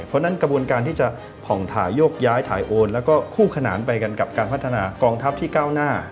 เพราะฉะนั้นกระบวนการที่จะผ่องถ่ายโยกย้ายถ่ายโอนแล้วก็คู่ขนานไปกันกับการพัฒนากองทัพที่ก้าวหน้า